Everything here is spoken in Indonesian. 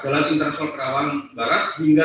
jalan internasional karawang barat hingga